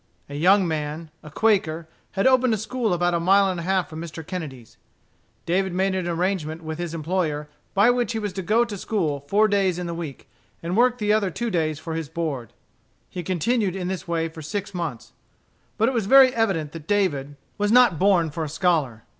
A young man, a Quaker, had opened a school about a mile and a half from Mr. Kennedy's. David made an arrangement with his employer by which he was to go to school four days in the week, and work the other two days for his board. He continued in this way for six months. But it was very evident that David was not born for a scholar.